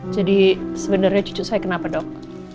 jadi sebenarnya cucu saya kenapa dok